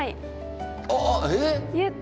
あっええっ？